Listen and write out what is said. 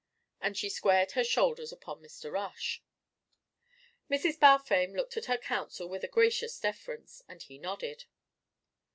And she squared her shoulders upon Mr. Rush. Mrs. Balfame looked at her counsel with a gracious deference, and he nodded.